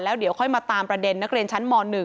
แล้วเดี๋ยวค่อยมาตามประเด็นนักเรียนชั้นม๑